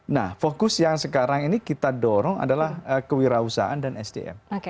nah fokus yang sekarang ini kita dorong adalah kewirausahaan dan sdm